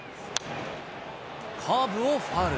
カーブをファウル。